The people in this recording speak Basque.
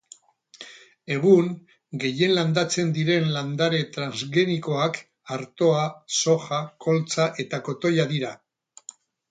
Egun, gehien landatzen diren landare transgenikoak artoa, soja, koltza eta kotoia dira.